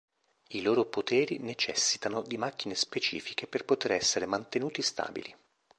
I loro poteri necessitano di macchine specifiche per poter essere mantenuti stabili.